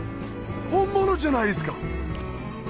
本物じゃないですか！